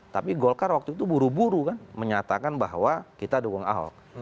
tapi golkar waktu itu buru buru kan menyatakan bahwa kita dukung ahok